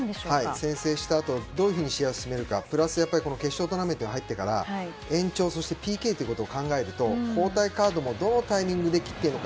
先制したあとどういうふうに試合を進めるかプラス、決勝トーナメントに入ってから延長、そしてＰＫということを考えると交代カードもどのタイミングで切っていいのか。